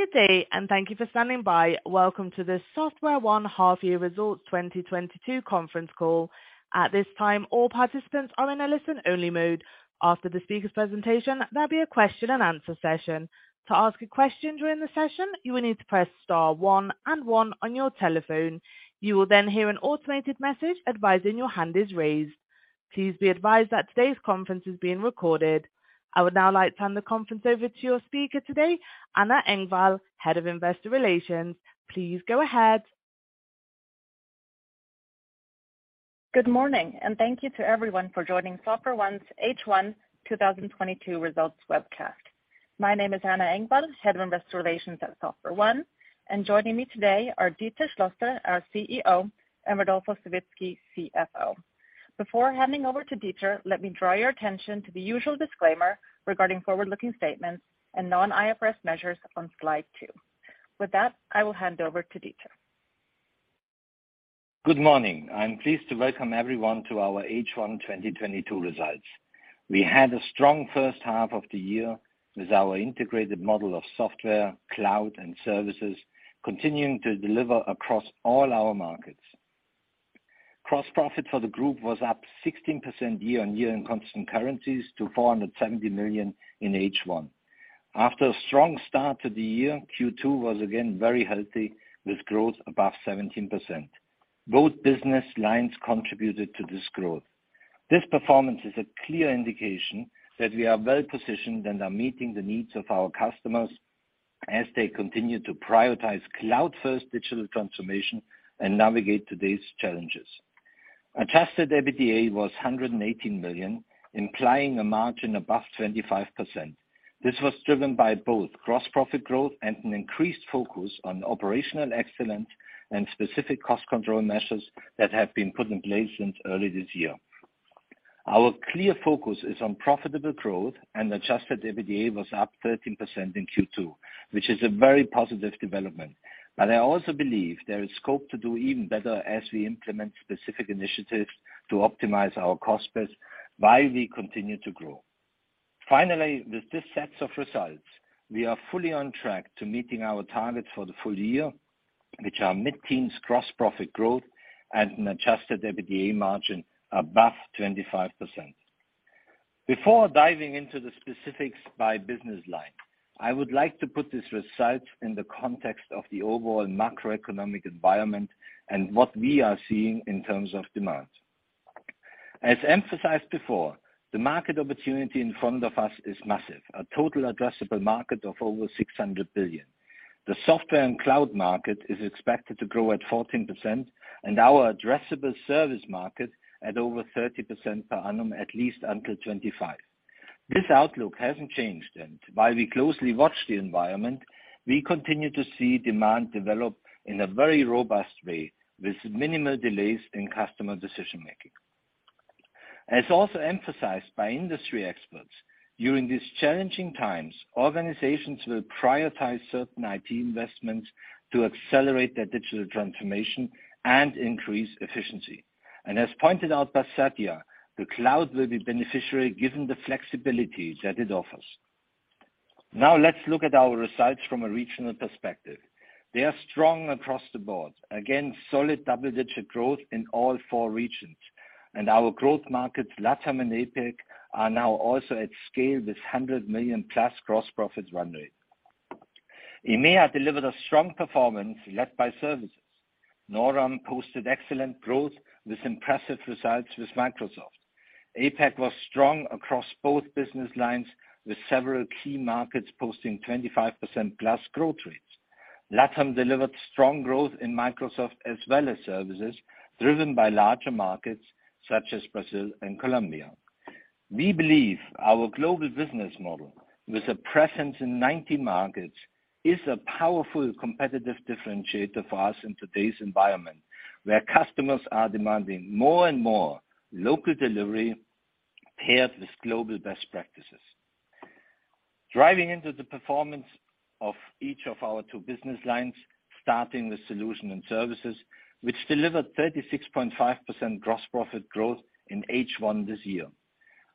Good day, and thank you for standing by. Welcome to the SoftwareONE Half Year Results 2022 conference call. At this time, all participants are in a listen-only mode. After the speaker's presentation, there'll be a question and answer session. To ask a question during the session, you will need to press star one and one on your telephone. You will then hear an automated message advising your hand is raised. Please be advised that today's conference is being recorded. I would now like to hand the conference over to your speaker today, Anna Engvall, Head of Investor Relations. Please go ahead. Good morning, and thank you to everyone for joining SoftwareONE's H1 2022 results webcast. My name is Anna Engvall, Head of Investor Relations at SoftwareONE, and joining me today are Dieter Schlosser, our CEO, and Rodolfo Savitzky, CFO. Before handing over to Dieter, let me draw your attention to the usual disclaimer regarding forward-looking statements and non-IFRS measures on slide 2. With that, I will hand over to Dieter. Good morning. I'm pleased to welcome everyone to our H1 2022 results. We had a strong first half of the year with our integrated model of software, cloud, and services continuing to deliver across all our markets. Gross profit for the group was up 16% year-on-year in constant currencies to 470 million in H1. After a strong start to the year, Q2 was again very healthy with growth above 17%. Both business lines contributed to this growth. This performance is a clear indication that we are well-positioned and are meeting the needs of our customers as they continue to prioritize cloud-first digital transformation and navigate today's challenges. Adjusted EBITDA was 118 million, implying a margin above 25%. This was driven by both gross profit growth and an increased focus on operational excellence and specific cost control measures that have been put in place since early this year. Our clear focus is on profitable growth, and adjusted EBITDA was up 13% in Q2, which is a very positive development. I also believe there is scope to do even better as we implement specific initiatives to optimize our cost base while we continue to grow. Finally, with this set of results, we are fully on track to meeting our targets for the full year, which are mid-teens gross profit growth and an adjusted EBITDA margin above 25%. Before diving into the specifics by business line, I would like to put this result in the context of the overall macroeconomic environment and what we are seeing in terms of demand. As emphasized before, the market opportunity in front of us is massive, a total addressable market of over 600 billion. The software and cloud market is expected to grow at 14% and our addressable service market at over 30% per annum, at least until 2025. This outlook hasn't changed, and while we closely watch the environment, we continue to see demand develop in a very robust way with minimal delays in customer decision-making. As also emphasized by industry experts, during these challenging times, organizations will prioritize certain IT investments to accelerate their digital transformation and increase efficiency. As pointed out by Satya, the cloud will be beneficiary given the flexibility that it offers. Now let's look at our results from a regional perspective. They are strong across the board. Again, solid double-digit growth in all four regions. Our growth markets, LATAM and APAC, are now also at scale with 100 million+ gross profits run rate. EMEA delivered a strong performance led by services. NORAM posted excellent growth with impressive results with Microsoft. APAC was strong across both business lines with several key markets posting 25%+ growth rates. LATAM delivered strong growth in Microsoft as well as services driven by larger markets such as Brazil and Colombia. We believe our global business model with a presence in 90 markets is a powerful competitive differentiator for us in today's environment, where customers are demanding more and more local delivery paired with global best practices. Driving into the performance of each of our two business lines, starting with Solutions and Services, which delivered 36.5% gross profit growth in H1 this year.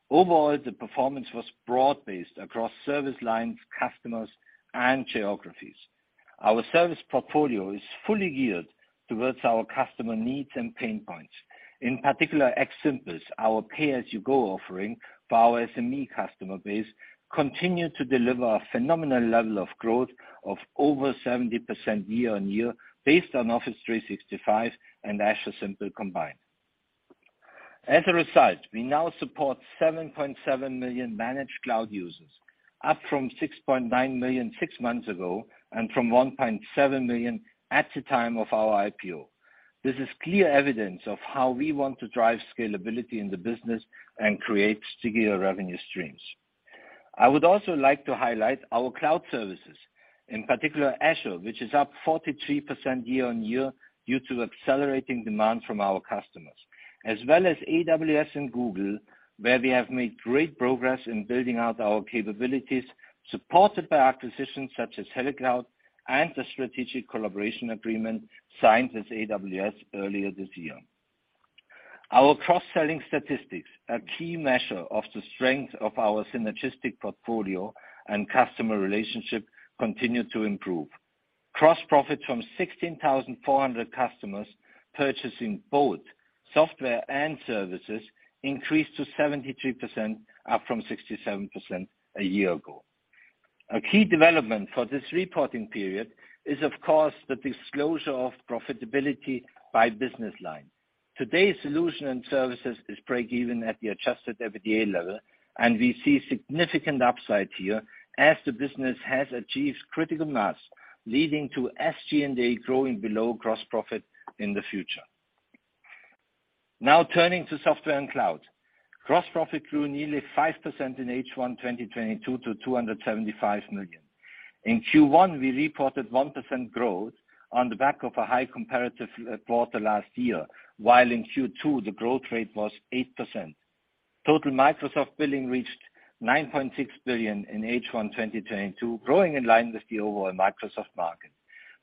Overall, the performance was broad-based across service lines, customers, and geographies. Our service portfolio is fully geared towards our customer needs and pain points. In particular, xSimple, our pay-as-you-go offering for our SME customer base, continued to deliver a phenomenal level of growth of over 70% year-on-year based on Office 365 and AzureSimple combined. As a result, we now support 7.7 million managed cloud users, up from 6.9 million six months ago and from 1.7 million at the time of our IPO. This is clear evidence of how we want to drive scalability in the business and create stickier revenue streams. I would also like to highlight our cloud services, in particular Azure, which is up 43% year-on-year due to accelerating demand from our customers. As well as AWS and Google, where we have made great progress in building out our capabilities, supported by acquisitions such as HeleCloud and the strategic collaboration agreement signed with AWS earlier this year. Our cross-selling statistics, a key measure of the strength of our synergistic portfolio and customer relationship, continued to improve. Cross profits from 16,400 customers purchasing both software and services increased to 73%, up from 67% a year ago. A key development for this reporting period is, of course, the disclosure of profitability by business line. Today, Solutions and Services is breakeven at the adjusted EBITDA level, and we see significant upside here as the business has achieved critical mass, leading to SG&A growing below gross profit in the future. Now turning to Software and Cloud. Gross profit grew nearly 5% in H1 2022 to 275 million. In Q1, we reported 1% growth on the back of a high comparative quarter last year, while in Q2, the growth rate was 8%. Total Microsoft billing reached 9.6 billion in H1 2022, growing in line with the overall Microsoft market.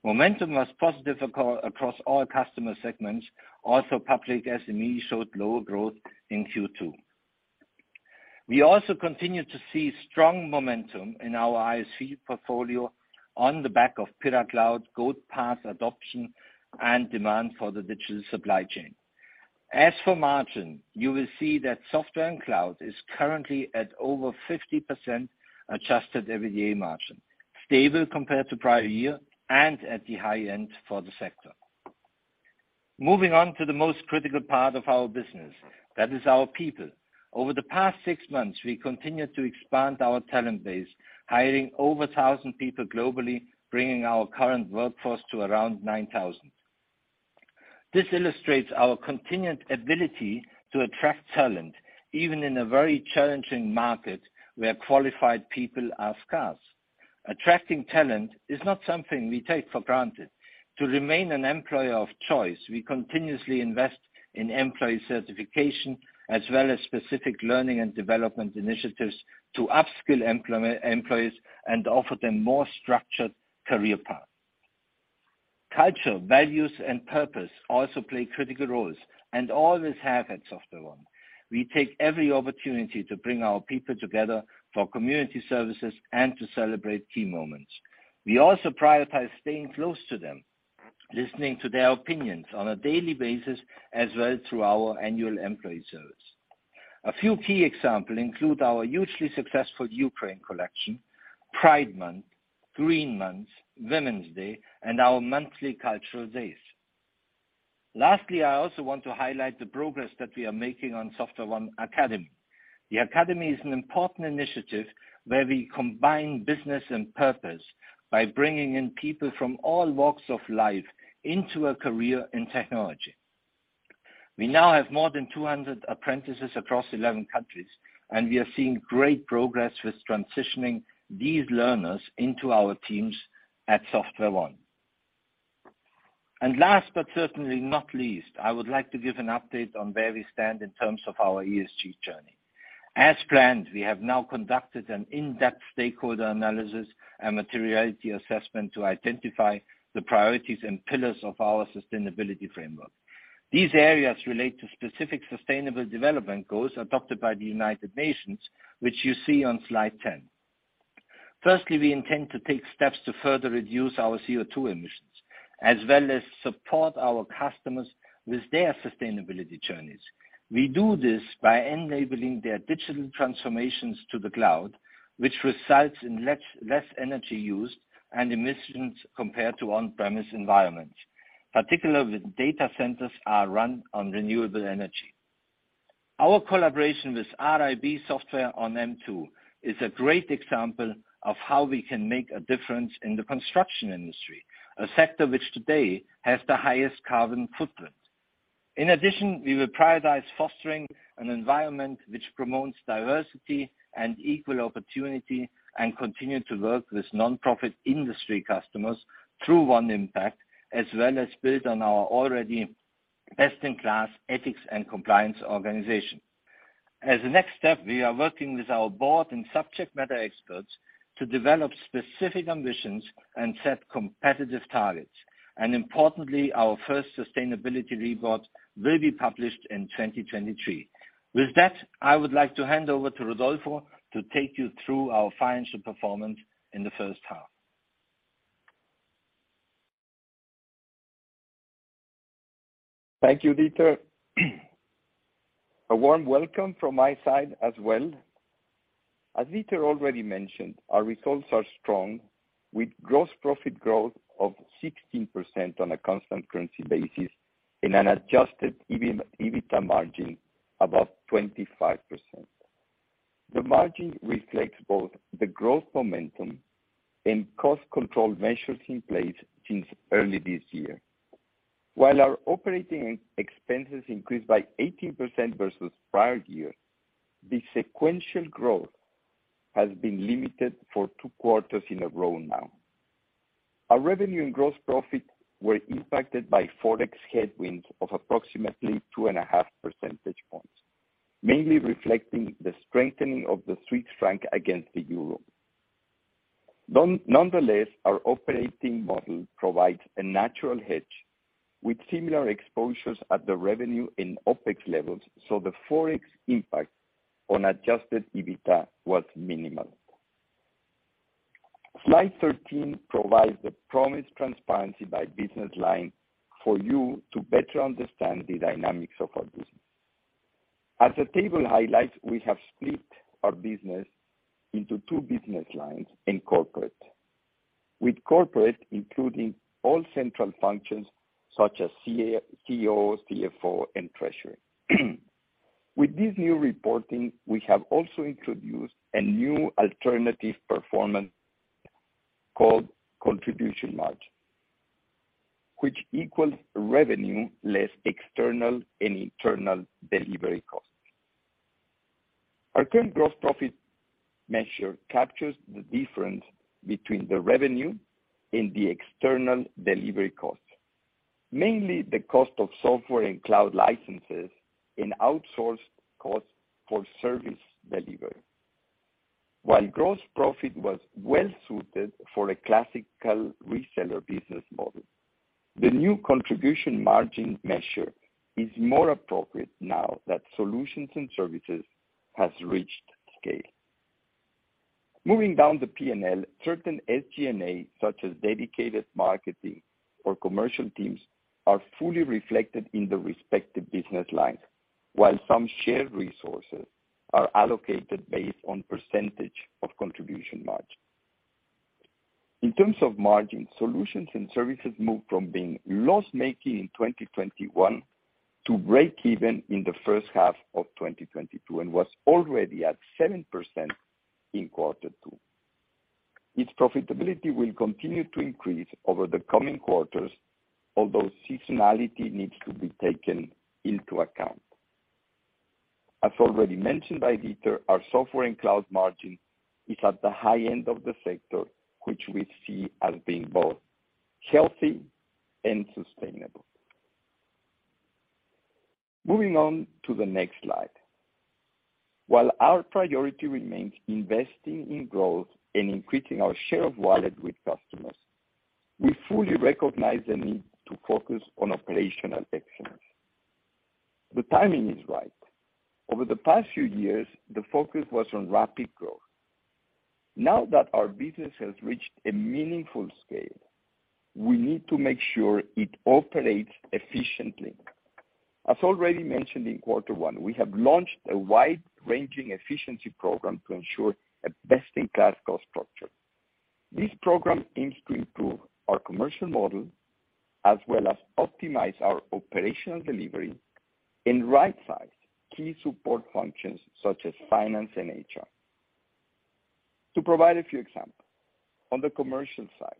Momentum was positive across all customer segments, also public SME showed lower growth in Q2. We also continued to see strong momentum in our ISC portfolio on the back of PyraCloud, Goldpath adoption, and demand for the digital supply chain. As for margin, you will see that software and cloud is currently at over 50% adjusted EBITDA margin, stable compared to prior year and at the high end for the sector. Moving on to the most critical part of our business, that is our people. Over the past six months, we continued to expand our talent base, hiring over 1,000 people globally, bringing our current workforce to around 9,000. This illustrates our continued ability to attract talent, even in a very challenging market where qualified people are scarce. Attracting talent is not something we take for granted. To remain an employer of choice, we continuously invest in employee certification, as well as specific learning and development initiatives to upskill employees and offer them more structured career path. Culture, values, and purpose also play critical roles, and all this happens often one. We take every opportunity to bring our people together for community services and to celebrate key moments. We also prioritize staying close to them, listening to their opinions on a daily basis, as well as through our annual employee surveys. A few key examples include our hugely successful Ukraine collection, Pride Month, Green Month, Women's Day, and our monthly cultural days. Lastly, I also want to highlight the progress that we are making on SoftwareONE Academy. The academy is an important initiative where we combine business and purpose by bringing in people from all walks of life into a career in technology. We now have more than 200 apprentices across 11 countries, and we are seeing great progress with transitioning these learners into our teams at SoftwareONE. Last, but certainly not least, I would like to give an update on where we stand in terms of our ESG journey. As planned, we have now conducted an in-depth stakeholder analysis and materiality assessment to identify the priorities and pillars of our sustainability framework. These areas relate to specific sustainable development goals adopted by the United Nations, which you see on slide 10. Firstly, we intend to take steps to further reduce our CO2 emissions, as well as support our customers with their sustainability journeys. We do this by enabling their digital transformations to the cloud, which results in less energy used and emissions compared to on-premise environments, particularly data centers are run on renewable energy. Our collaboration with RIB Software on MTWO is a great example of how we can make a difference in the construction industry, a sector which today has the highest carbon footprint. In addition, we will prioritize fostering an environment which promotes diversity and equal opportunity, and continue to work with nonprofit industry customers through One Impact, as well as build on our already best-in-class ethics and compliance organization. As a next step, we are working with our board and subject matter experts to develop specific ambitions and set competitive targets. Importantly, our first sustainability report will be published in 2023. With that, I would like to hand over to Rodolfo to take you through our financial performance in the first half. Thank you, Dieter. A warm welcome from my side as well. As Dieter already mentioned, our results are strong, with gross profit growth of 16% on a constant currency basis in an adjusted EBITDA margin above 25%. The margin reflects both the growth momentum and cost control measures in place since early this year. While our operating expenses increased by 18% versus prior year, the sequential growth has been limited for two quarters in a row now. Our revenue and gross profit were impacted by forex headwinds of approximately 2.5 percentage points, mainly reflecting the strengthening of the Swiss franc against the euro. Nonetheless, our operating model provides a natural hedge with similar exposures at the revenue and OPEX levels, so the forex impact on adjusted EBITDA was minimal. Slide thirteen provides the promised transparency by business line for you to better understand the dynamics of our business. As the table highlights, we have split our business into two business lines in corporate, with corporate including all central functions such as COO, CFO, and treasury. With this new reporting, we have also introduced a new alternative performance called contribution margin, which equals revenue less external and internal delivery costs. Our current gross profit measure captures the difference between the revenue and the external delivery cost, mainly the cost of software and cloud licenses and outsourced costs for service delivery. While gross profit was well suited for a classical reseller business model, the new contribution margin measure is more appropriate now that solutions and services has reached scale. Moving down the P&L, certain SG&A, such as dedicated marketing or commercial teams, are fully reflected in the respective business lines, while some shared resources are allocated based on percentage of contribution margin. In terms of margin, solutions and services moved from being loss-making in 2021 to breakeven in the first half of 2022 and was already at 7% in quarter two. Its profitability will continue to increase over the coming quarters, although seasonality needs to be taken into account. As already mentioned by Dieter, our software and cloud margin is at the high end of the sector, which we see as being both healthy and sustainable. Moving on to the next slide. While our priority remains investing in growth and increasing our share of wallet with customers, we fully recognize the need to focus on operational excellence. The timing is right. Over the past few years, the focus was on rapid growth. Now that our business has reached a meaningful scale, we need to make sure it operates efficiently. As already mentioned in quarter one, we have launched a wide-ranging efficiency program to ensure a best-in-class cost structure. This program aims to improve our commercial model, as well as optimize our operational delivery and right size key support functions such as finance and HR. To provide a few examples, on the commercial side,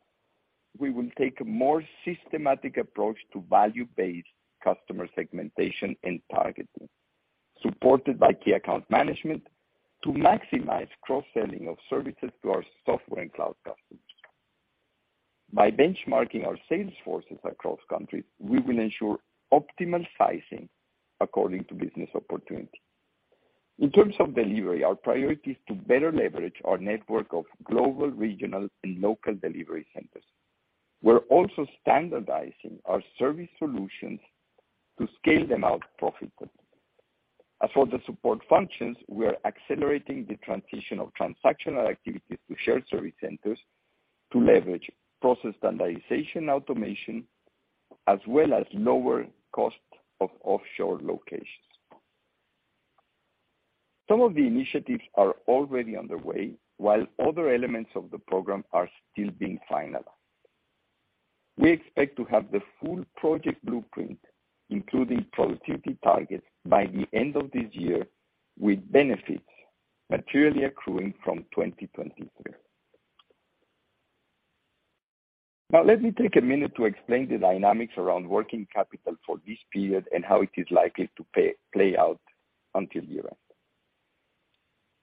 we will take a more systematic approach to value-based customer segmentation and targeting, supported by key account management to maximize cross-selling of services to our software and cloud customers. By benchmarking our sales forces across countries, we will ensure optimal sizing according to business opportunity. In terms of delivery, our priority is to better leverage our network of global, regional, and local delivery centers. We're also standardizing our service solutions to scale them out profitably. As for the support functions, we are accelerating the transition of transactional activities to shared service centers to leverage process standardization automation, as well as lower costs of offshore locations. Some of the initiatives are already underway, while other elements of the program are still being finalized. We expect to have the full project blueprint, including productivity targets, by the end of this year, with benefits materially accruing from 2023. Now, let me take a minute to explain the dynamics around working capital for this period and how it is likely to play out until year end.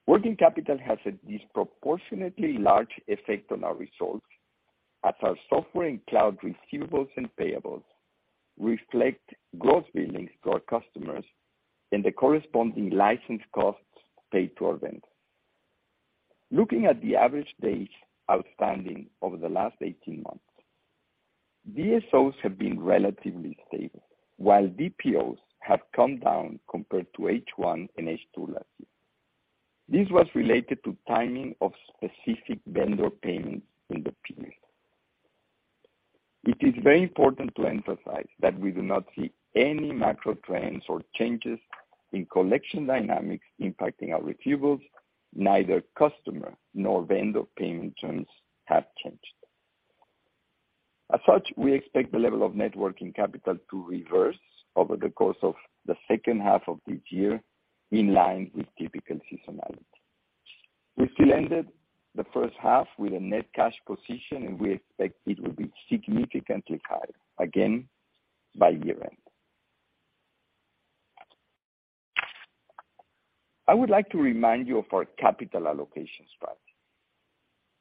Working capital has a disproportionately large effect on our results, as our software and cloud receivables and payables reflect gross billings to our customers and the corresponding license costs paid to our vendors. Looking at the average days outstanding over the last 18 months, DSOs have been relatively stable, while DPOs have come down compared to H1 and H2 last year. This was related to timing of specific vendor payments in the period. It is very important to emphasize that we do not see any macro trends or changes in collection dynamics impacting our receivables. Neither customer nor vendor payment terms have changed. As such, we expect the level of net working capital to reverse over the course of the second half of this year, in line with typical seasonality. We still ended the first half with a net cash position, and we expect it will be significantly higher again by year-end. I would like to remind you of our capital allocation strategy.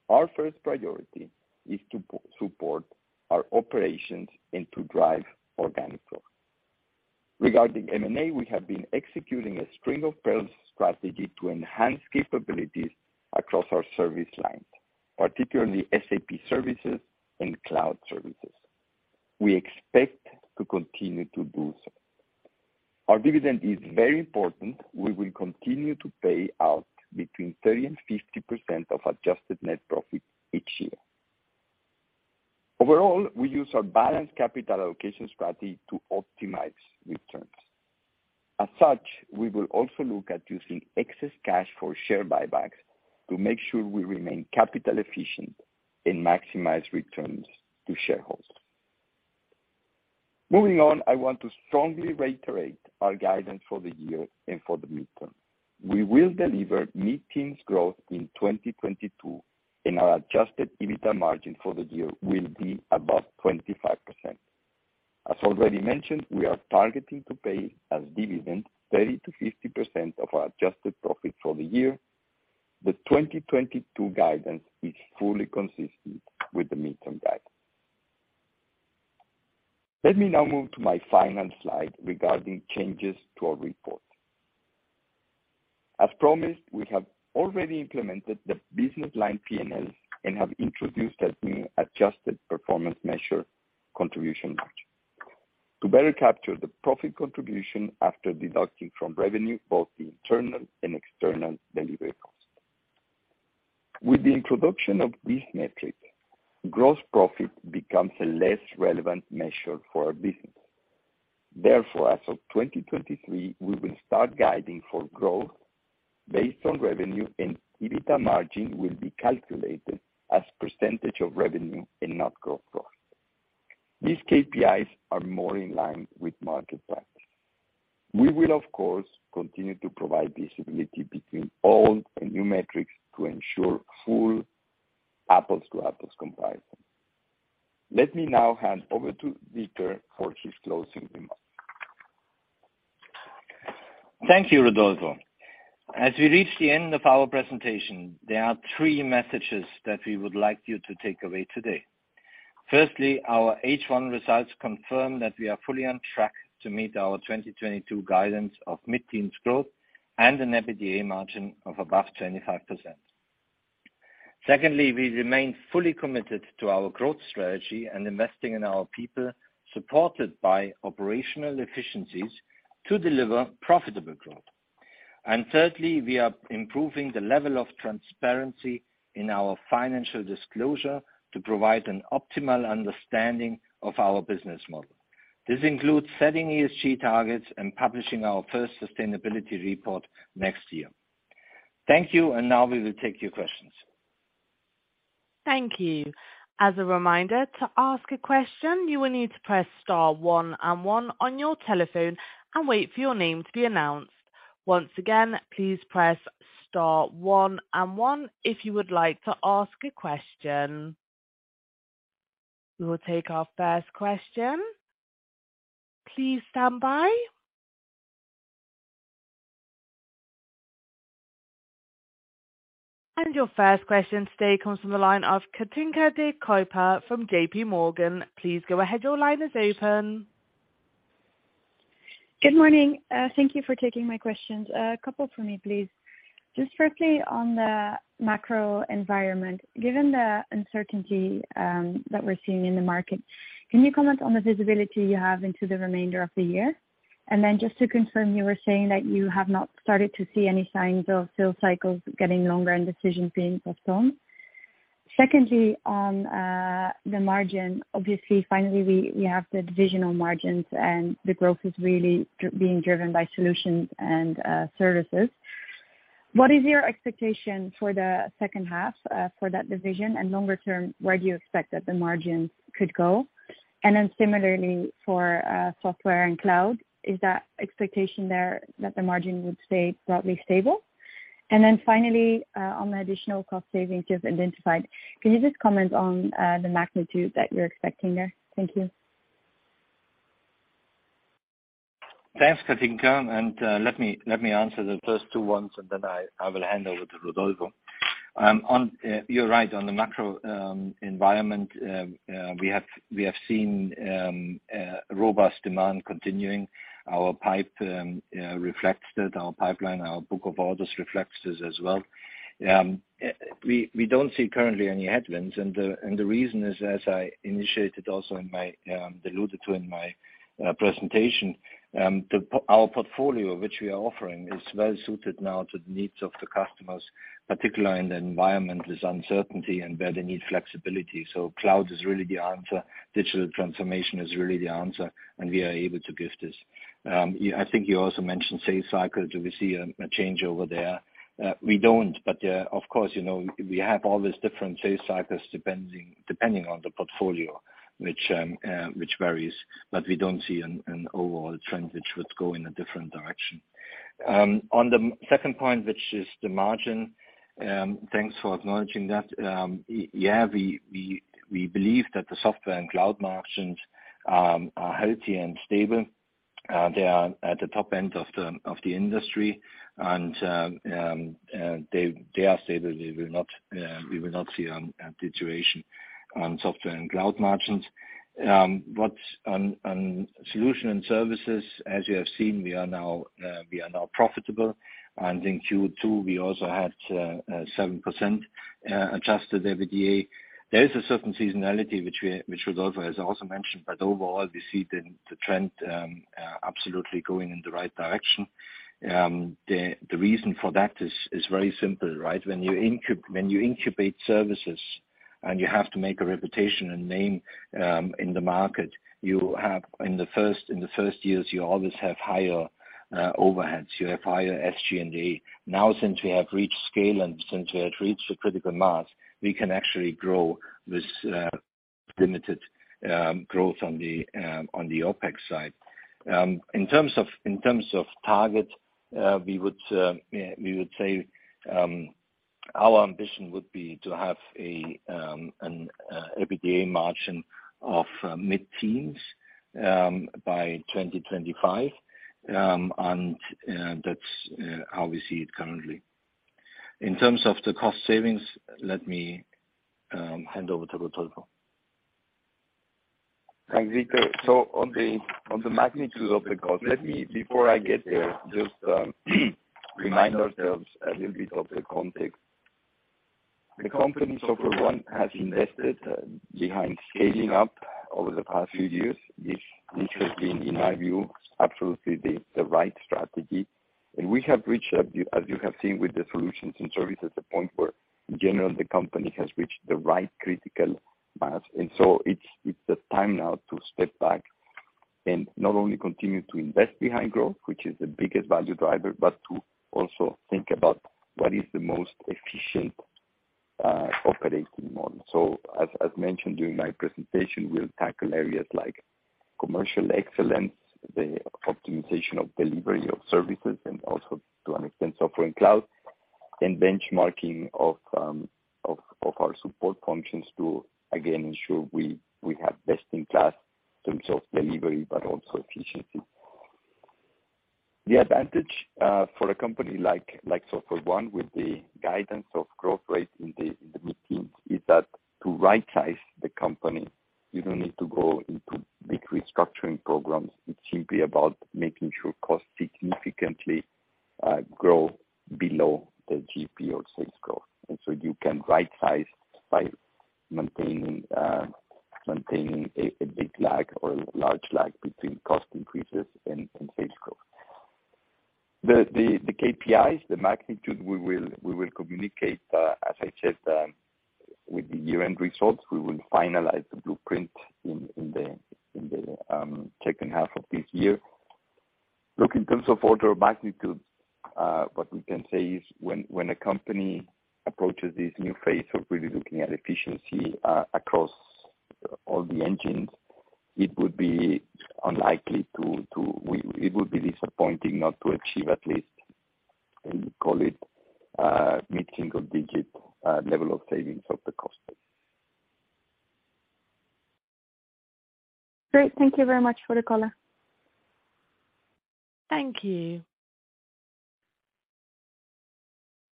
Our first priority is to support our operations and to drive organic growth. Regarding M&A, we have been executing a string-of-pearls strategy to enhance capabilities across our service lines, particularly SAP services and cloud services. We expect to continue to do so. Our dividend is very important. We will continue to pay out between 30% and 50% of adjusted net profit each year. Overall, we use our balanced capital allocation strategy to optimize returns. As such, we will also look at using excess cash for share buybacks to make sure we remain capital efficient and maximize returns to shareholders. Moving on, I want to strongly reiterate our guidance for the year and for the midterm. We will deliver mid-teens% growth in 2022, and our adjusted EBITA margin for the year will be above 25%. As already mentioned, we are targeting to pay a dividend 30%-50% of our adjusted profit for the year. The 2022 guidance is fully consistent with the midterm guidance. Let me now move to my final slide regarding changes to our report. As promised, we have already implemented the business line P&L and have introduced a new adjusted performance measure contribution margin to better capture the profit contribution after deducting from revenue both the internal and external delivery costs. With the introduction of these metrics, gross profit becomes a less relevant measure for our business. Therefore, as of 2023, we will start guiding for growth based on revenue, and EBITA margin will be calculated as percentage of revenue and not gross profit. These KPIs are more in line with market practice. We will, of course, continue to provide visibility between old and new metrics to ensure full apples-to-apples comparison. Let me now hand over to Dieter for his closing remarks. Thank you, Rodolfo. As we reach the end of our presentation, there are three messages that we would like you to take away today. Firstly, our H1 results confirm that we are fully on track to meet our 2022 guidance of mid-teens growth and an EBITDA margin of above 25%. Secondly, we remain fully committed to our growth strategy and investing in our people, supported by operational efficiencies to deliver profitable growth. Thirdly, we are improving the level of transparency in our financial disclosure to provide an optimal understanding of our business model. This includes setting ESG targets and publishing our first sustainability report next year. Thank you. Now we will take your questions. Thank you. As a reminder, to ask a question, you will need to press star one and one on your telephone and wait for your name to be announced. Once again, please press star one and one if you would like to ask a question. We will take our first question. Please stand by. Your first question today comes from the line of Katinka de Kooper from JPMorgan. Please go ahead. Your line is open. Good morning. Thank you for taking my questions. A couple for me, please. Just firstly, on the macro environment, given the uncertainty that we're seeing in the market, can you comment on the visibility you have into the remainder of the year? Then just to confirm, you were saying that you have not started to see any signs of sales cycles getting longer and decisions being postponed. Secondly, on the margin, obviously, finally we have the divisional margins, and the growth is really being driven by solutions and services. What is your expectation for the second half for that division? Longer term, where do you expect that the margin could go? Similarly for software and cloud, is that expectation there that the margin would stay broadly stable? Finally, on the additional cost savings you've identified, can you just comment on the magnitude that you're expecting there? Thank you. Thanks, Katinka. Let me answer the first two ones, and then I will hand over to Rodolfo. You're right on the macro environment. We have seen robust demand continuing. Our pipeline, our book of orders reflects this as well. We don't see currently any headwinds. The reason is, as I alluded to in my presentation, our portfolio, which we are offering, is well suited now to the needs of the customers, particularly in the environment with uncertainty and where they need flexibility. Cloud is really the answer. Digital transformation is really the answer, and we are able to give this. I think you also mentioned sales cycle. Do we see a change over there? We don't. But of course, you know, we have all these different sales cycles depending on the portfolio, which varies, but we don't see an overall trend which would go in a different direction. On the second point, which is the margin, thanks for acknowledging that. Yeah, we believe that the software and cloud margins are healthy and stable. They are at the top end of the industry and they are stable. We will not see deterioration on software and cloud margins. On solution and services, as you have seen, we are now profitable. In Q2, we also had 7% adjusted EBITDA. There is a certain seasonality which Rodolfo has also mentioned, but overall, we see the trend absolutely going in the right direction. The reason for that is very simple, right? When you incubate services and you have to make a reputation and name in the market, in the first years, you always have higher overheads, you have higher SG&A. Now, since we have reached scale and since we have reached the critical mass, we can actually grow this limited growth on the OpEx side. In terms of targets, we would say our ambition would be to have an EBITDA margin of mid-teens% by 2025. That's how we see it currently. In terms of the cost savings, let me hand over to Rudolf. Thanks, Viktor. On the magnitude of the cost, let me, before I get there, just remind ourselves a little bit of the context. The company, SoftwareONE, has invested behind scaling up over the past few years. This has been, in my view, absolutely the right strategy. We have reached, as you have seen with the solutions and services, a point where in general the company has reached the right critical mass. It's the time now to step back and not only continue to invest behind growth, which is the biggest value driver, but to also think about what is the most efficient operating model. As mentioned during my presentation, we'll tackle areas like commercial excellence, the optimization of delivery of services, and also to an extent, software and cloud, and benchmarking of our support functions to again ensure we have best in class in terms of delivery but also efficiency. The advantage for a company like SoftwareONE with the guidance of growth rate in the mid-teens is that to right-size the company, you don't need to go into big restructuring programs. It's simply about making sure costs significantly grow below the GP or sales growth. You can right-size by maintaining a big lag or large lag between cost increases and sales growth. The KPIs, the magnitude we will communicate, as I said, with the year-end results. We will finalize the blueprint in the second half of this year. Look, in terms of order of magnitude, what we can say is when a company approaches this new phase of really looking at efficiency across all the engines, it would be unlikely to. It would be disappointing not to achieve at least, let me call it, mid-single-digit level of savings of the cost. Great. Thank you very much for the color. Thank you.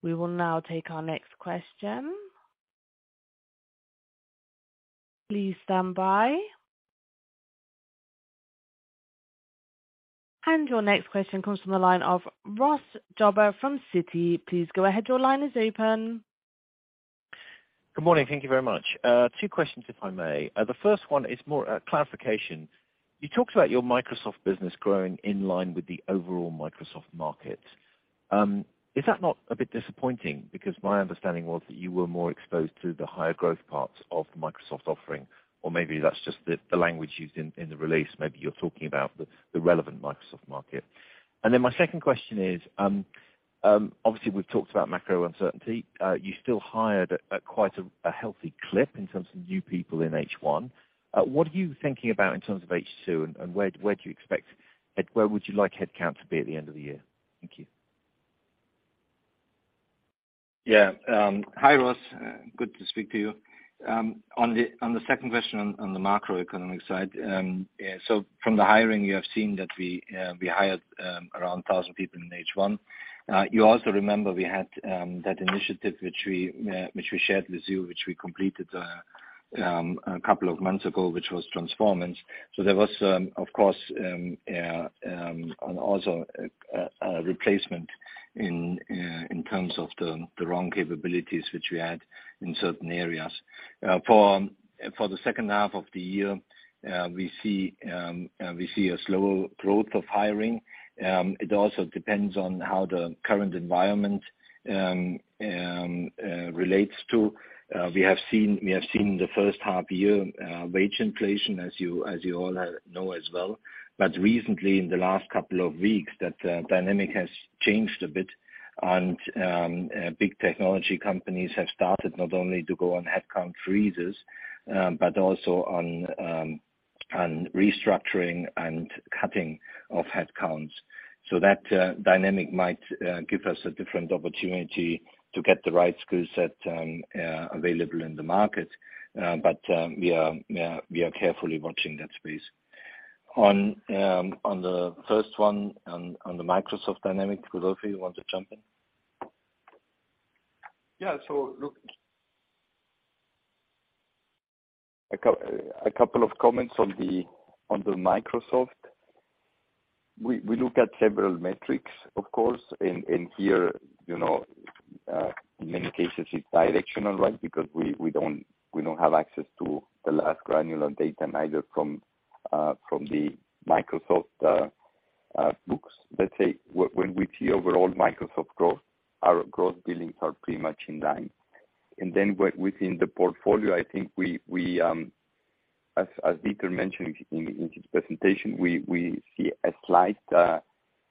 We will now take our next question. Please stand by. Your next question comes from the line of Ross Jobber from Citi. Please go ahead. Your line is open. Good morning. Thank you very much. Two questions if I may. The first one is more clarification. You talked about your Microsoft business growing in line with the overall Microsoft market. Is that not a bit disappointing? Because my understanding was that you were more exposed to the higher growth parts of the Microsoft offering, or maybe that's just the language used in the release. Maybe you're talking about the relevant Microsoft market. My second question is, obviously, we've talked about macro uncertainty. You still hired at quite a healthy clip in terms of new people in H1. What are you thinking about in terms of H2 and where you would like headcount to be at the end of the year? Thank you. Yeah. Hi, Ross. Good to speak to you. On the second question on the macroeconomic side, from the hiring you have seen that we hired around 1,000 people in H1. You also remember we had that initiative which we shared with you, which we completed a couple of months ago, which was Transformance. There was, of course, also a replacement in terms of the wrong capabilities which we had in certain areas. For the second half of the year, we see a slower growth of hiring. It also depends on how the current environment relates to what we have seen the first half year wage inflation as you all know as well. Recently in the last couple of weeks that dynamic has changed a bit and big technology companies have started not only to go on headcount freezes but also on restructuring and cutting of headcounts. That dynamic might give us a different opportunity to get the right skill set available in the market. We are carefully watching that space. On the first one, on the Microsoft dynamic, Rodolfo, you want to jump in? Yeah. Look, a couple of comments on the Microsoft. We look at several metrics, of course, and here, you know, in many cases it's directional, right? Because we don't have access to the latest granular data neither from the Microsoft books. Let's say when we see overall Microsoft growth, our growth billings are pretty much in line. Within the portfolio, I think we, as Dieter mentioned in his presentation, we see a slight,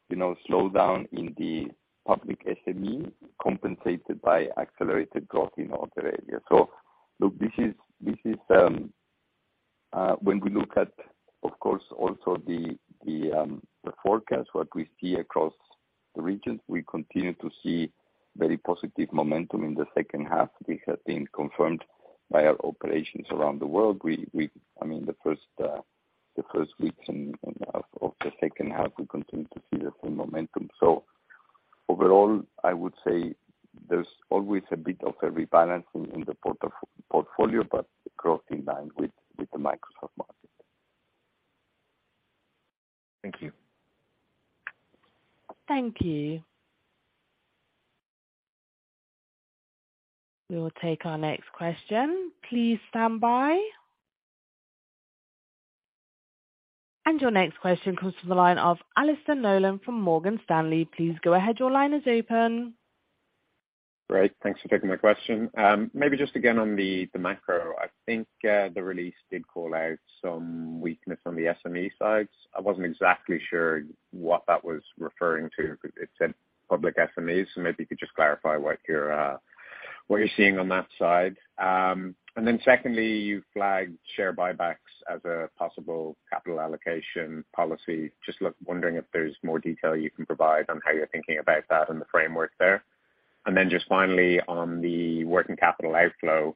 you know, slowdown in the public SME compensated by accelerated growth in other areas. Look, this is when we look at, of course, also the forecast, what we see across the regions, we continue to see very positive momentum in the second half, which have been confirmed by our operations around the world. I mean, the first weeks of the second half, we continue to see the same momentum. Overall, I would say there's always a bit of a rebalance in the portfolio, but growth in line with the Microsoft market. Thank you. Thank you. We will take our next question. Please stand by. Your next question comes from the line of Alastair Nolan from Morgan Stanley. Please go ahead. Your line is open. Great. Thanks for taking my question. Maybe just again on the macro. I think the release did call out some weakness on the SME sides. I wasn't exactly sure what that was referring to. It said public SMEs, so maybe you could just clarify what you're seeing on that side. Then secondly, you flagged share buybacks as a possible capital allocation policy. Just wondering if there's more detail you can provide on how you're thinking about that and the framework there. Then just finally on the working capital outflow,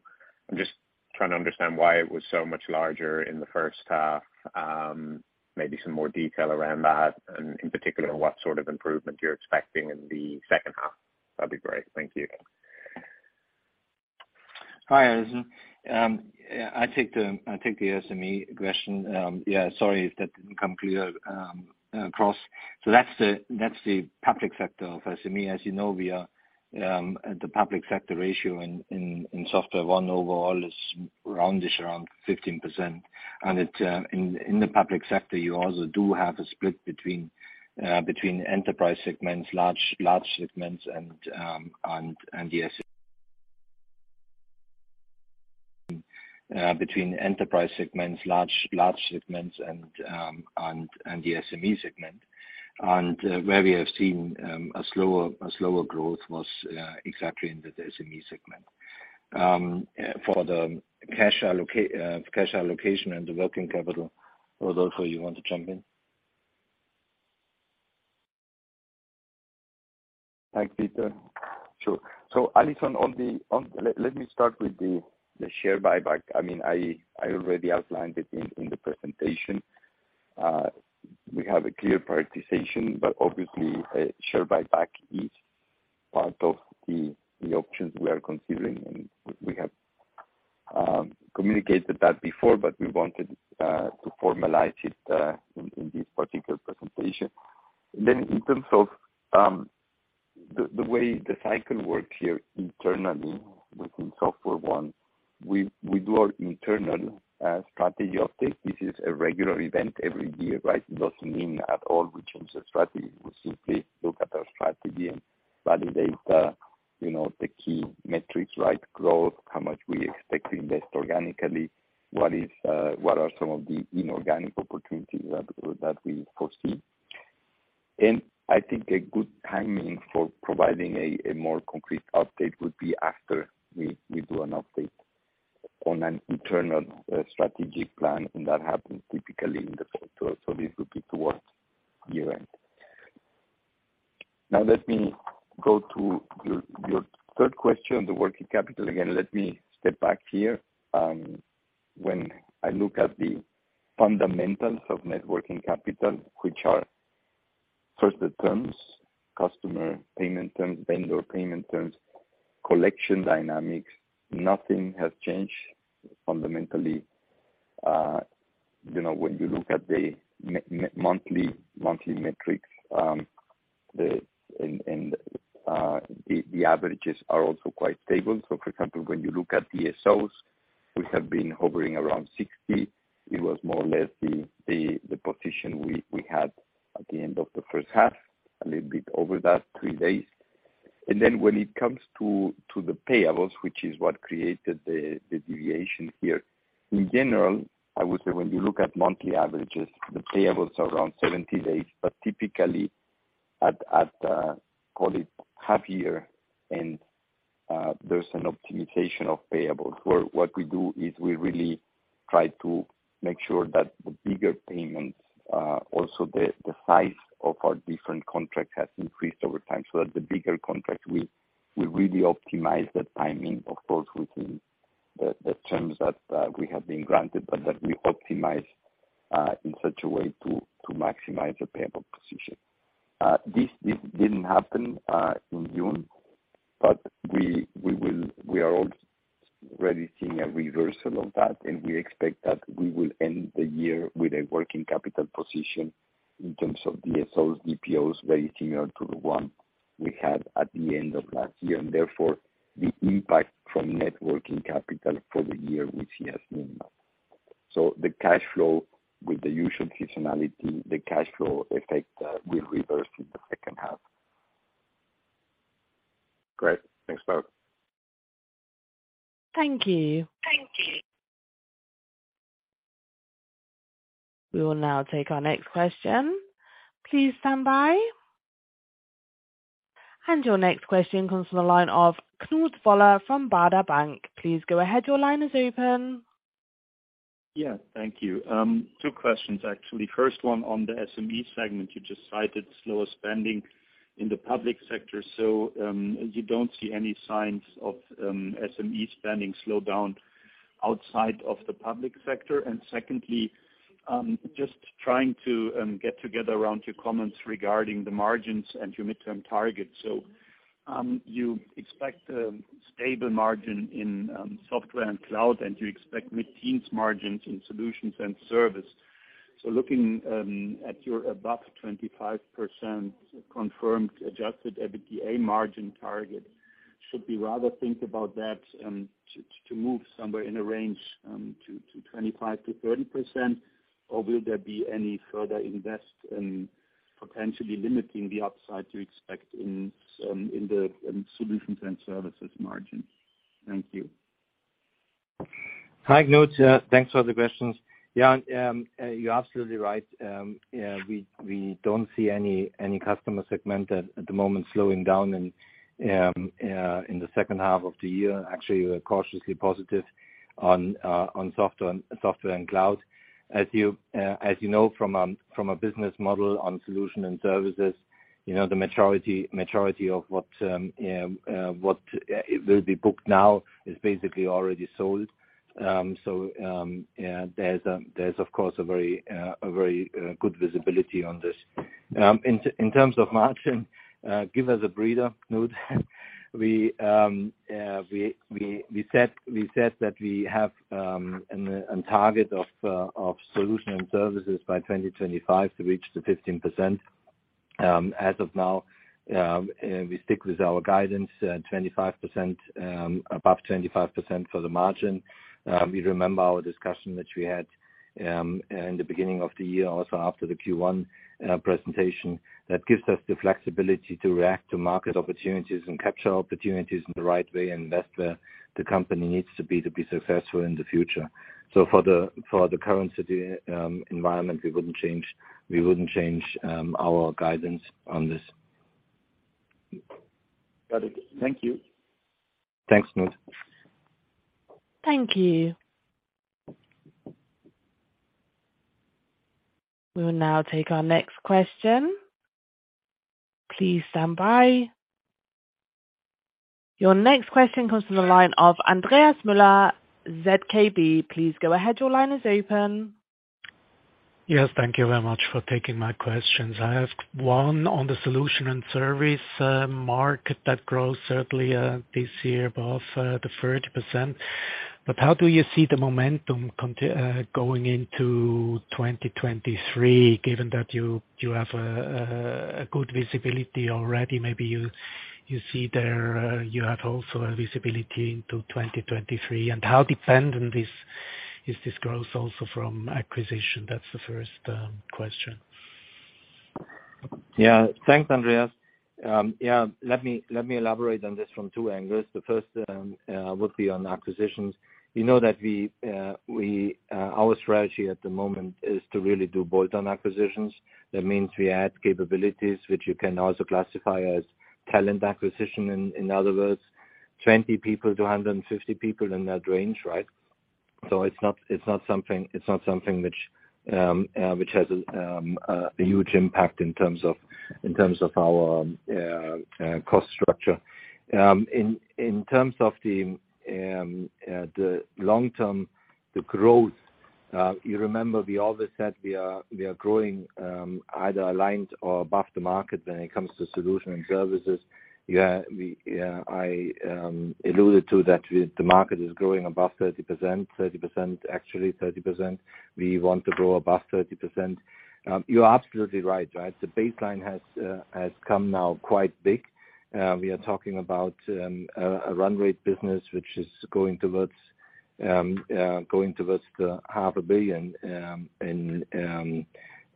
I'm just trying to understand why it was so much larger in the first half, maybe some more detail around that, and in particular, what sort of improvement you're expecting in the second half. That'd be great. Thank you. Hi, Alastair. Yeah, I take the SME question. Sorry if that didn't come clear across. That's the public sector of SME. As you know, the public sector ratio in SoftwareONE overall is around 15%. In the public sector, you also do have a split between enterprise segments, large segments, and the SME segment. Where we have seen a slower growth was exactly in the SME segment. For the cash allocation and the working capital, Rodolfo, you want to jump in? Thanks, Dieter. Sure. Alastair, let me start with the share buyback. I mean, I already outlined it in the presentation. We have a clear prioritization, but obviously a share buyback is part of the options we are considering, and we have communicated that before, but we wanted to formalize it in this particular presentation. In terms of the way the cycle works here internally within SoftwareONE, we do our internal strategy update. This is a regular event every year, right? It doesn't mean at all we change the strategy. We simply look at our strategy and validate you know the key metrics, right? Growth, how much we expect to invest organically, what are some of the inorganic opportunities that we foresee. I think a good timing for providing a more concrete update would be after we do an update on an internal strategic plan, and that happens typically in the fourth quarter. This would be towards year-end. Now let me go to your third question, the working capital. Again, let me step back here. When I look at the fundamentals of working capital, which are first the terms, customer payment terms, vendor payment terms, collection dynamics, nothing has changed fundamentally. You know, when you look at the monthly metrics, the averages are also quite stable. For example, when you look at DSOs, we have been hovering around 60. It was more or less the position we had at the end of the first half, a little bit over that, three days. Then when it comes to the payables, which is what created the deviation here, in general, I would say when you look at monthly averages, the payables are around 70 days. Typically at call it half year and there's an optimization of payables. What we do is we really try to make sure that the bigger payments also the size of our different contracts has increased over time so that the bigger contracts, we really optimize the timing, of course, within the terms that we have been granted, but that we optimize. In such a way to maximize the payable position. This didn't happen in June, but we are already seeing a reversal of that, and we expect that we will end the year with a working capital position in terms of DSOs, DPOs, very similar to the one we had at the end of last year. Therefore, the impact from net working capital for the year will be as minimal. The cash flow with the usual seasonality, the cash flow effect, will reverse in the second half. Great. Thanks alot. Thank you. Thank you. We will now take our next question. Please stand by. Your next question comes from the line of Knut Woller from Baader Bank. Please go ahead. Your line is open. Yeah. Thank you. Two questions, actually. First one on the SME segment. You just cited slower spending in the public sector. You don't see any signs of SME spending slowdown outside of the public sector? Secondly, just trying to get together around your comments regarding the margins and your mid-term targets. You expect a stable margin in software and cloud, and you expect mid-teens margins in solutions and services. Looking at your above 25% confirmed adjusted EBITDA margin target, should we rather think about that to move somewhere in a range to 25%-30%? Or will there be any further investment in potentially limiting the upside you expect in the solutions and services margins? Thank you. Hi, Knut. Thanks for the questions. Yeah. You're absolutely right. We don't see any customer segment at the moment slowing down in the second half of the year. Actually, we're cautiously positive on software and cloud. As you know, from a business model on solution and services, you know, the maturity of what will be booked now is basically already sold. Yeah, there's of course a very good visibility on this. In terms of margin, give us a breather, Knut. We said that we have a target of solution and services by 2025 to reach the 15%. As of now, we stick with our guidance, 25% above 25% for the margin. You remember our discussion which we had in the beginning of the year, also after the Q1 presentation. That gives us the flexibility to react to market opportunities and capture opportunities in the right way and invest where the company needs to be to be successful in the future. For the current city environment, we wouldn't change our guidance on this. Got it. Thank you. Thanks, Knut. Thank you. We will now take our next question. Please stand by. Your next question comes from the line of Andreas Müller, ZKB. Please go ahead. Your line is open. Yes. Thank you very much for taking my questions. I ask one on the solution and service market that grows certainly this year above the 30%. How do you see the momentum going into 2023, given that you have a good visibility already? Maybe you see there you have also a visibility into 2023. How dependent is this growth also from acquisition? That's the first question. Yeah. Thanks, Andreas. Yeah, let me elaborate on this from two angles. The first would be on acquisitions. You know that our strategy at the moment is to really do bolt-on acquisitions. That means we add capabilities which you can also classify as talent acquisition. In other words, 20 people to 150 people in that range, right? So it's not something which has a huge impact in terms of our cost structure. In terms of the long-term growth, you remember we always said we are growing either aligned or above the market when it comes to solutions and services. Yeah, I alluded to that. The market is growing above 30%. 30%, actually 30%. We want to grow above 30%. You are absolutely right? The baseline has come now quite big. We are talking about a run rate business, which is going towards half a billion CHF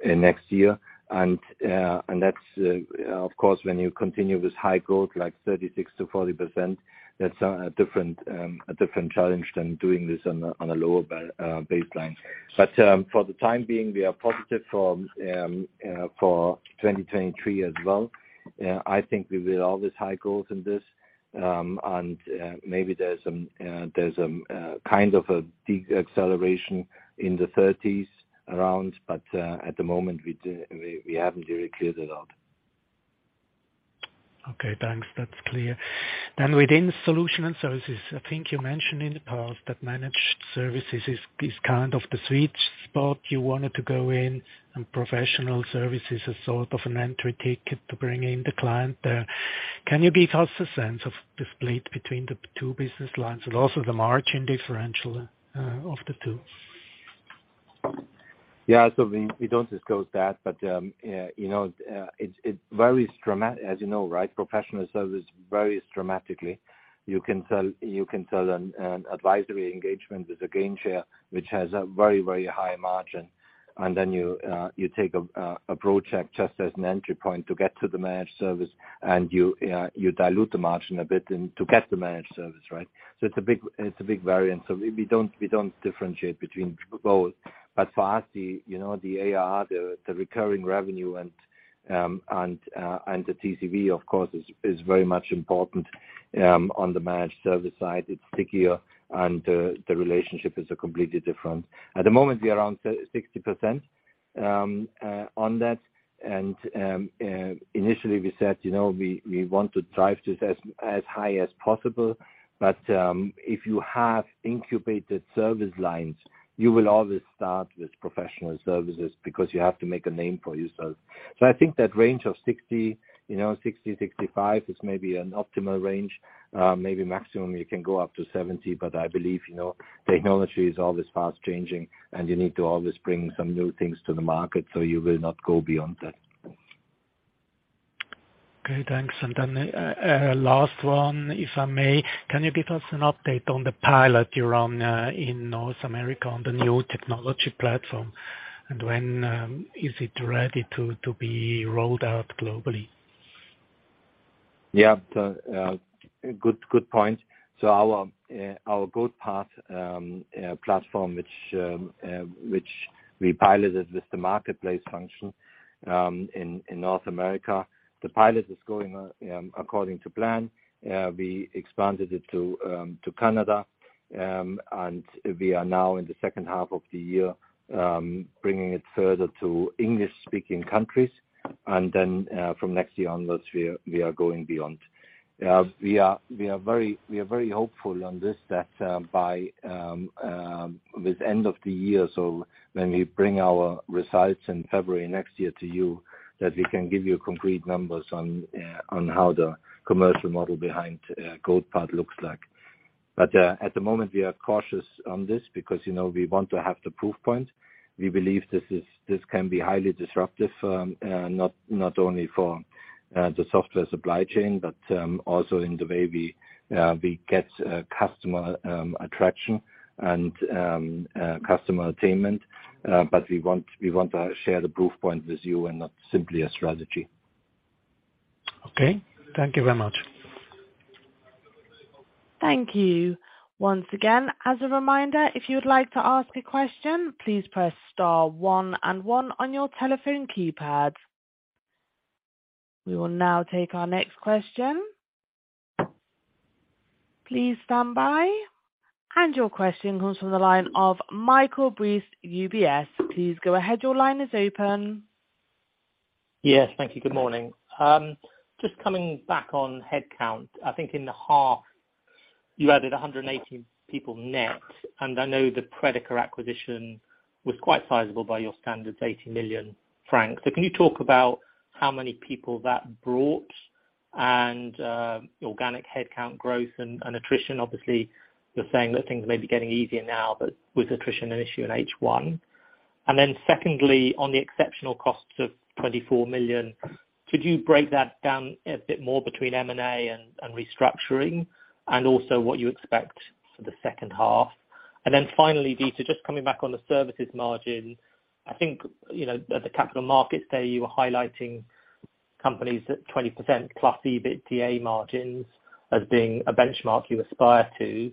in next year. That's of course when you continue with high growth, like 36%-40%, that's a different challenge than doing this on a lower baseline. For the time being, we are positive for 2023 as well. I think we will always high growth in this. Maybe there's some kind of a deceleration in the thirties around, but at the moment we haven't really cleared it out. Okay, thanks. That's clear. Within Solutions and Services, I think you mentioned in the past that managed services is kind of the sweet spot you wanted to go in and professional services as sort of an entry ticket to bring in the client there. Can you give us a sense of the split between the two business lines and also the margin differential of the two? Yeah. We don't disclose that, but you know, it varies as you know, right? Professional service varies dramatically. You can sell an advisory engagement with a gain share, which has a very high margin. You take a project just as an entry point to get to the managed service. You dilute the margin a bit to get the managed service, right? It's a big variance. We don't differentiate between both. For us, you know, the AR, the recurring revenue and the TCV of course is very much important on the managed service side. It's stickier and the relationship is completely different. At the moment we are around 60%, on that. Initially we said, you know, we want to drive this as high as possible, but if you have incubated service lines, you will always start with professional services because you have to make a name for yourself. I think that range of 60, you know, 65 is maybe an optimal range. Maybe maximum you can go up to 70, but I believe, you know, technology is always fast changing and you need to always bring some new things to the market, so you will not go beyond that. Okay, thanks. Last one, if I may. Can you give us an update on the pilot you're on in North America on the new technology platform? When is it ready to be rolled out globally? Yeah. That's a good point. Our Goldpath platform, which we piloted with the marketplace function in North America, is going according to plan. We expanded it to Canada. We are now in the second half of the year, bringing it further to English-speaking countries. From next year onwards, we are going beyond. We are very hopeful on this that by the end of the year, so when we bring our results in February next year to you, that we can give you concrete numbers on how the commercial model behind Goldpath looks like. At the moment we are cautious on this because, you know, we want to have the proof point. We believe this can be highly disruptive, not only for the software supply chain, but also in the way we get customer attraction and customer attainment. We want to share the proof point with you and not simply a strategy. Okay. Thank you very much. Thank you once again. As a reminder, if you would like to ask a question, please press star one and one on your telephone keypad. We will now take our next question. Please stand by. Your question comes from the line of Michael Briest, UBS. Please go ahead. Your line is open. Yes. Thank you. Good morning. Just coming back on head count. I think in the half you added 180 people net, and I know the Predica acquisition was quite sizable by your standards, 80 million francs. Can you talk about how many people that brought and organic head count growth and attrition? Obviously, you're saying that things may be getting easier now, but was attrition an issue in H1? Secondly, on the exceptional costs of 24 million, could you break that down a bit more between M&A and restructuring and also what you expect for the second half? Finally, Dieter, just coming back on the services margin, I think, you know, at the capital markets there you were highlighting companies at 20%+ EBITDA margins as being a benchmark you aspire to,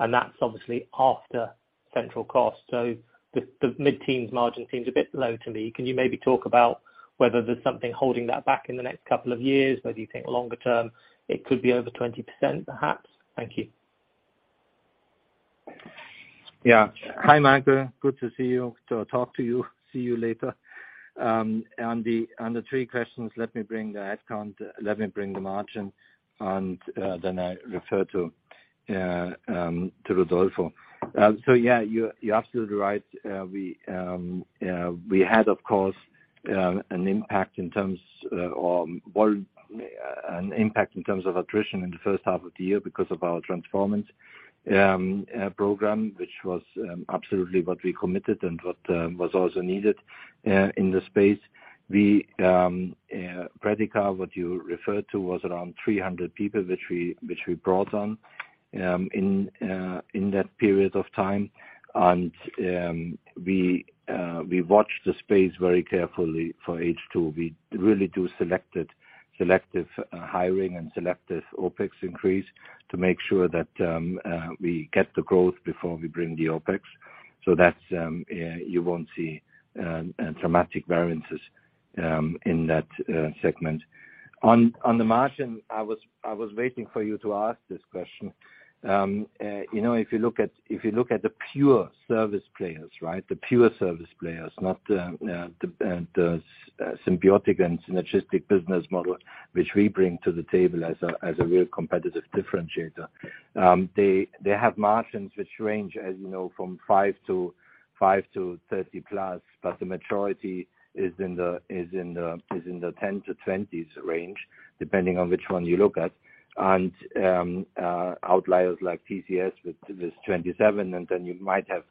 and that's obviously after central cost. The mid-teens margin seems a bit low to me. Can you maybe talk about whether there's something holding that back in the next couple of years? Whether you think longer term it could be over 20% perhaps? Thank you. Yeah. Hi, Michael. Good to see you. To talk to you, see you later. On the three questions, let me bring the head count, let me bring the margin and then I refer to Rodolfo. So yeah, you're absolutely right. We had of course an impact in terms of attrition in the first half of the year because of our Transformance program, which was absolutely what we committed and what was also needed in the space. Predica, what you referred to, was around 300 people, which we brought on in that period of time. We watched the space very carefully for H2. We really do selective hiring and selective OpEx increase to make sure that we get the growth before we bring the OpEx. That's you won't see dramatic variances in that segment. On the margin, I was waiting for you to ask this question. You know, if you look at the pure service players, right? The pure service players, not the symbiotic and synergistic business model, which we bring to the table as a real competitive differentiator. They have margins which range, as you know, from 5% to 30%+, but the majority is in the 10%-20% range, depending on which one you look at. Outliers like TCS with this 27%, and then you might have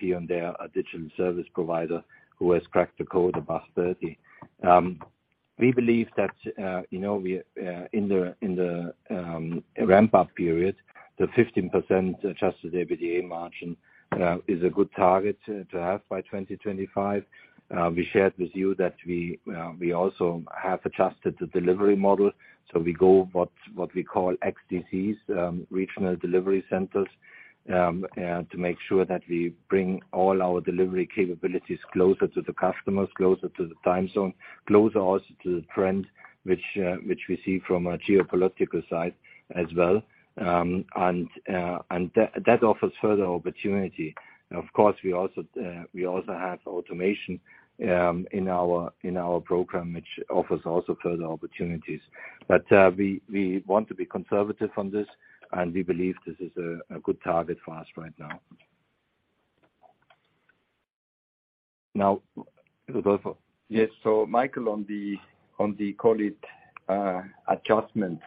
here and there a digital service provider who has cracked the code above 30%. We believe that, you know, we in the ramp-up period, the 15% adjusted EBITDA margin is a good target to have by 2025. We shared with you that we also have adjusted the delivery model. We go what we call XDCs, regional delivery centers, to make sure that we bring all our delivery capabilities closer to the customers, closer to the time zone, closer also to the trend which we see from a geopolitical side as well. That offers further opportunity. Of course, we also have automation in our program, which offers also further opportunities. We want to be conservative on this, and we believe this is a good target for us right now. Now, Rodolfo. Yes. Michael, on the call it adjustments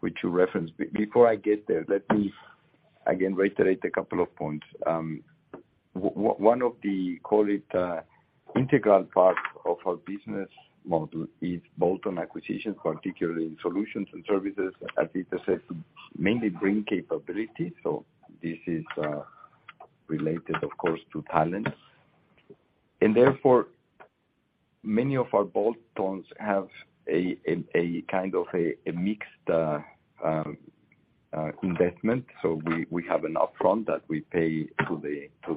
which you referenced. Before I get there, let me again reiterate a couple of points. One of the integral part of our business model is bolt-on acquisition, particularly in solutions and services, as Dieter said, mainly bring capability. This is related of course to talents. Therefore many of our bolt-ons have a kind of a mixed investment. We have an upfront that we pay to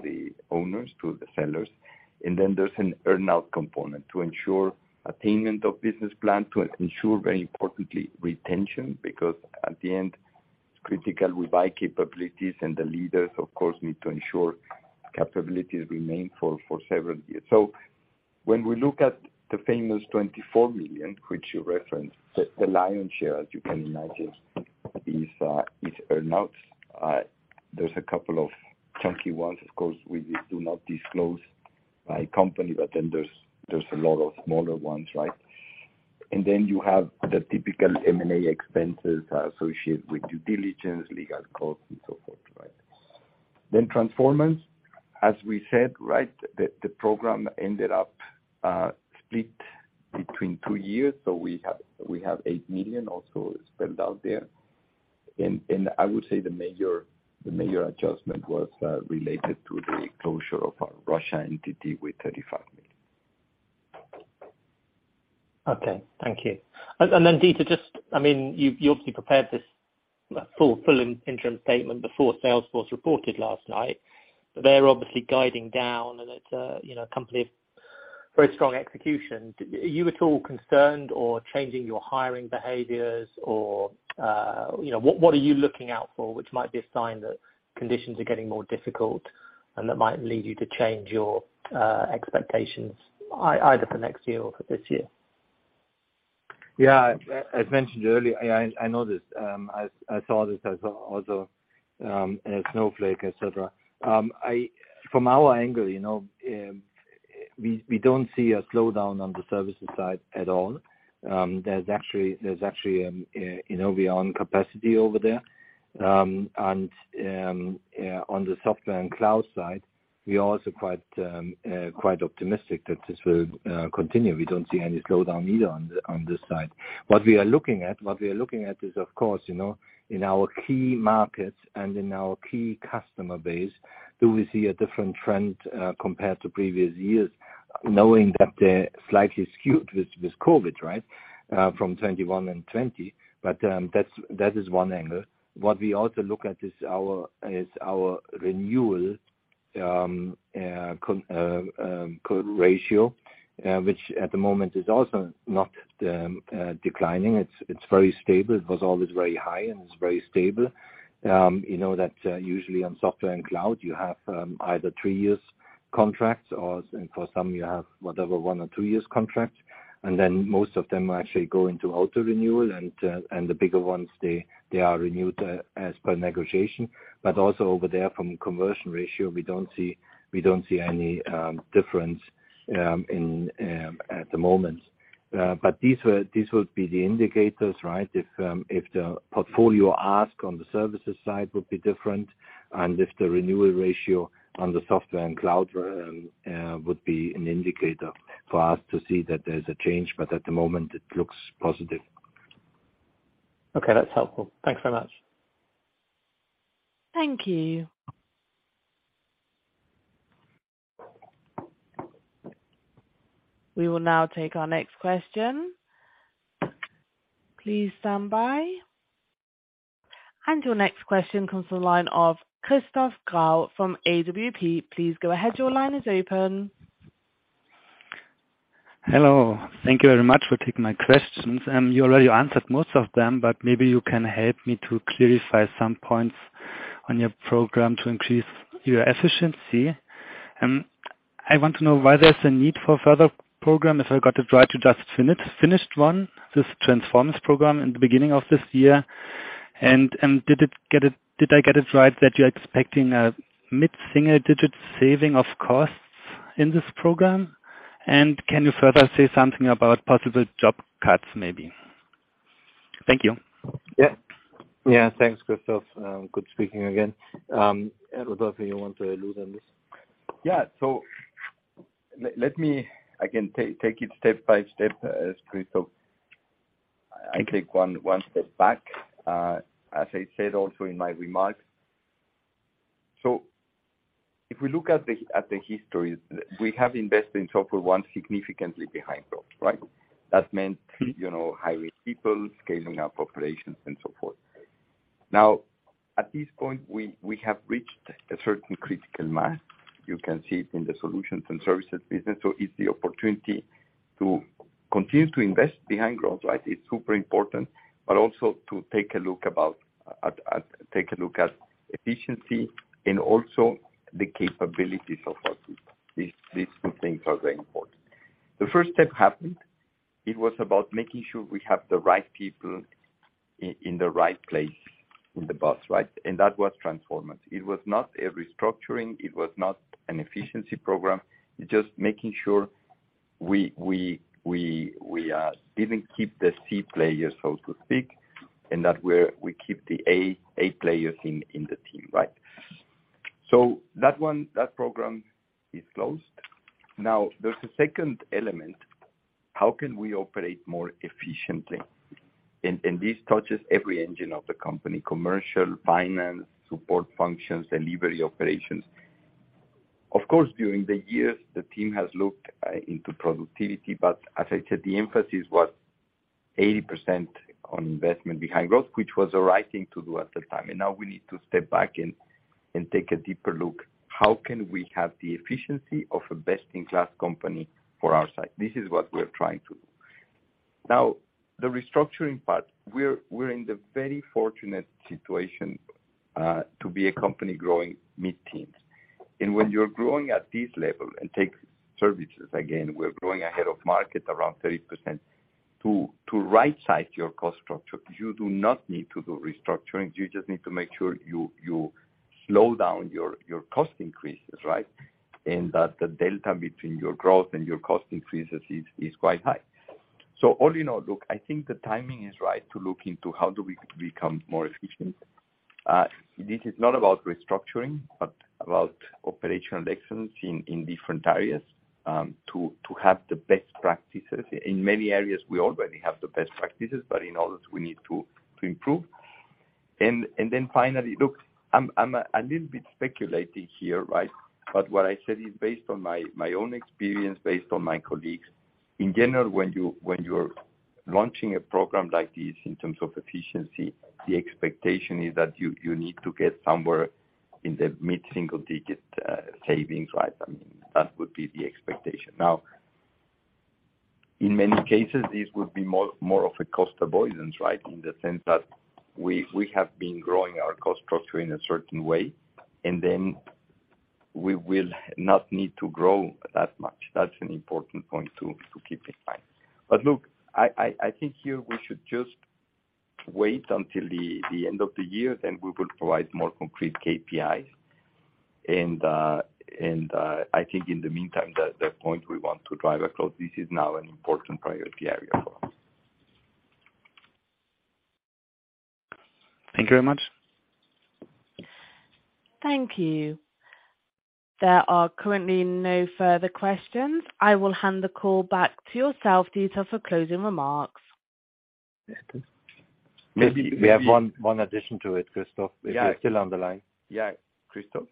the owners, to the sellers, and then there's an earn-out component to ensure attainment of business plan, to ensure very importantly retention, because at the end, critical we buy capabilities and the leaders of course need to ensure capabilities remain for several years. When we look at the famous 24 million which you referenced, the lion's share, as you can imagine, is earn-outs. There's a couple of chunky ones. Of course, we do not disclose by company, but then there's a lot of smaller ones, right? Then you have the typical M&A expenses associated with due diligence, legal costs and so forth, right? Transformance, as we said, right, the program ended up split between two years. We have 8 million also spent out there. I would say the major adjustment was related to the closure of our Russian entity with 35 million. Okay. Thank you. Then Dieter, just, I mean, you obviously prepared this full interim statement before Salesforce reported last night. They're obviously guiding down and it's a company of very strong execution. Are you at all concerned or changing your hiring behaviors? What are you looking out for, which might be a sign that conditions are getting more difficult and that might lead you to change your expectations either for next year or for this year? Yeah. As mentioned earlier, I know this. I saw this as also Snowflake, et cetera. From our angle, you know, we don't see a slowdown on the services side at all. There's actually you know, we are on capacity over there. On the software and cloud side, we are also quite optimistic that this will continue. We don't see any slowdown either on this side. What we are looking at is of course, you know, in our key markets and in our key customer base, do we see a different trend compared to previous years, knowing that they're slightly skewed with COVID, right? From 2021 and 2020. That's one angle. What we also look at is our renewal conversion ratio, which at the moment is also not declining. It's very stable. It was always very high, and it's very stable. You know that usually on software and cloud you have either three years contracts or and for some you have whatever one or two years contracts. Then most of them actually go into auto renewal. The bigger ones, they are renewed as per negotiation. But also over there from conversion ratio, we don't see any difference in at the moment. But this would be the indicators, right? If the portfolio mix on the services side would be different and if the renewal ratio on the software and cloud would be an indicator for us to see that there's a change. At the moment it looks positive. Okay. That's helpful. Thanks so much. Thank you. We will now take our next question. Please stand by. Your next question comes to the line of Christoph Grau from AWP. Please go ahead. Your line is open. Hello. Thank you very much for taking my questions. You already answered most of them, but maybe you can help me to clarify some points on your program to increase your efficiency. I want to know why there's a need for further program if I got it right, you just finished one, this Transformance program in the beginning of this year. Did I get it right that you're expecting a mid-single digit saving of costs in this program? Can you further say something about possible job cuts maybe? Thank you. Yeah, thanks, Christoph. Good speaking again. Rodolfo, do you want to allude on this? Yeah. Let me again take it step by step, Christoph. I take one step back. As I said also in my remarks. If we look at the history, we have invested in SoftwareONE significantly behind growth, right? That meant, you know, hiring people, scaling up operations and so forth. Now, at this point, we have reached a certain critical mass. You can see it in the solutions and services business. It's the opportunity to continue to invest behind growth, right? It's super important, but also to take a look at efficiency and also the capabilities of our group. These two things are very important. The first step happened, it was about making sure we have the right people in the right place, in the business, right? That was Transformance. It was not a restructuring, it was not an efficiency program. It's just making sure we didn't keep the C players, so to speak, and that we keep the A players in the team, right? That one, that program is closed. Now, there's a second element. How can we operate more efficiently? This touches every engine of the company, commercial, finance, support functions, delivery operations. Of course, during the years, the team has looked into productivity. As I said, the emphasis was 80% on investment behind growth, which was the right thing to do at the time. Now we need to step back and take a deeper look, how can we have the efficiency of a best-in-class company for our side? This is what we're trying to do. Now, the restructuring part, we're in the very fortunate situation to be a company growing mid-teens. When you're growing at this level and take services, again, we're growing ahead of market around 30%. To right-size your cost structure, you do not need to do restructuring. You just need to make sure you slow down your cost increases, right? That the delta between your growth and your cost increases is quite high. All in all, look, I think the timing is right to look into how do we become more efficient. This is not about restructuring but about operational excellence in different areas to have the best practices. In many areas we already have the best practices, but in others we need to improve. Finally, look, I'm a little bit speculating here, right? What I said is based on my own experience, based on my colleagues. In general, when you're launching a program like this in terms of efficiency, the expectation is that you need to get somewhere in the mid-single digit savings, right? I mean, that would be the expectation. Now, in many cases, this would be more of a cost avoidance, right? In the sense that we have been growing our cost structure in a certain way, and then we will not need to grow that much. That's an important point to keep in mind. Look, I think here we should just wait until the end of the year, then we will provide more concrete KPIs. I think in the meantime, the point we want to get across is now an important priority area for us. Thank you very much. Thank you. There are currently no further questions. I will hand the call back to yourself, Dieter, for closing remarks. Maybe- We have one addition to it, Christoph. Yeah. If you're still on the line. Yeah. Christoph.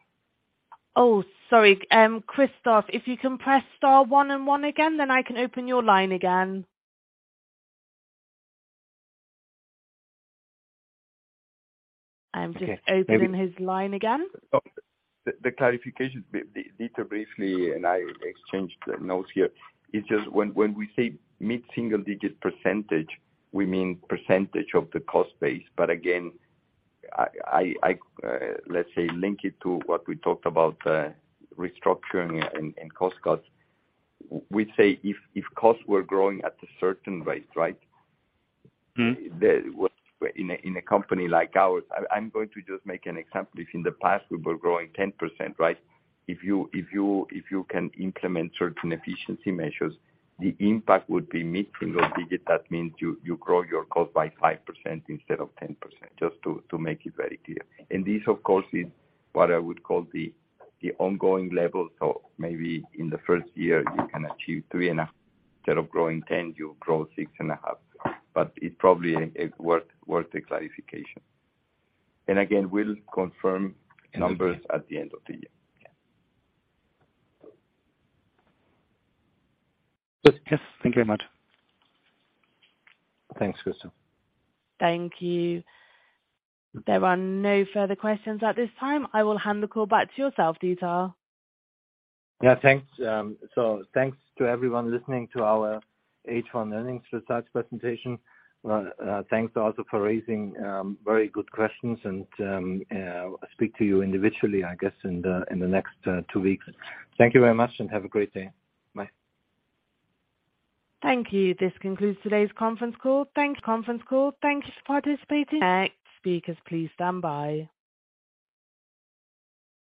Oh, sorry. Christoph, if you can press star one and one again, then I can open your line again. I'm just opening his line again. The clarification. Dieter briefly and I exchanged notes here. It's just when we say mid-single digit percentage, we mean percentage of the cost base. Again, let's say link it to what we talked about, restructuring and cost cuts. We say if costs were growing at a certain rate, right? In a company like ours. I'm going to just make an example. If in the past we were growing 10%, right? If you can implement certain efficiency measures, the impact would be mid-single digit %. That means you grow your cost by 5% instead of 10%. Just to make it very clear. This of course is what I would call the ongoing level. Maybe in the first year you can achieve 3.5%. Instead of growing 10%, you grow 6.5%. It probably is worth the clarification. Again, we'll confirm numbers at the end of the year. Yes. Thank you very much. Thanks, Christoph. Thank you. There are no further questions at this time. I will hand the call back to yourself, Dieter. Yeah, thanks. Thanks to everyone listening to our H1 earnings results presentation. Thanks also for raising very good questions, and I'll speak to you individually, I guess, in the next two weeks. Thank you very much and have a great day. Bye. Thank you. This concludes today's conference call. Thanks conference call. Thanks for participating. Speakers, please stand by.